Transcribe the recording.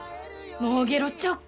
もうゲロっちゃおうか。